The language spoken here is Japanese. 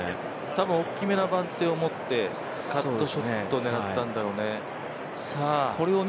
たぶん大きな番手を持ってカットショットを狙ったんだろうね。